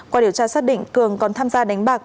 qua điều tra xác định cường còn tham gia đánh bạc